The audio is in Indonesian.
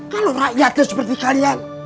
kalau rakyatnya seperti kalian